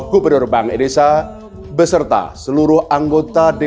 dan menjaga kebaikan pribadi